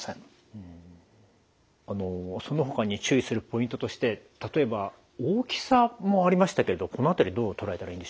そのほかに注意するポイントとして例えば大きさもありましたけどこの辺りどう捉えたらいいんでしょうか？